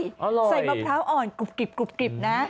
ใส่มะพร้าวอ่อนกรุบนะ